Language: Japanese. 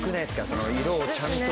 その色をちゃんと。